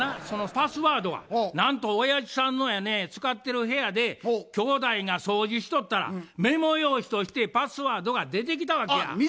そのパスワードがなんとおやじさんのやね使ってる部屋で兄弟が掃除しとったらメモ用紙としてパスワードが出てきたわけや。